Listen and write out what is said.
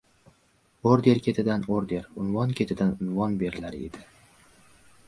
Orden ketidan orden, unvon ketidan unvon berilar edi.